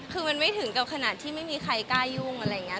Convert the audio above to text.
คือมันไม่ถึงกับขนาดที่ไม่มีใครกล้ายุ่งอะไรอย่างนี้